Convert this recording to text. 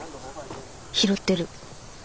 拾ってる。